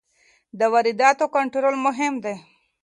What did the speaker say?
د وارداتو کنټرول مهم دی.